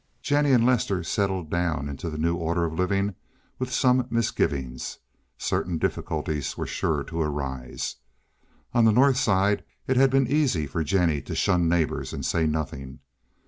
Jennie and Lester settled down into the new order of living with some misgivings; certain difficulties were sure to arise. On the North Side it had been easy for Jennie to shun neighbors and say nothing.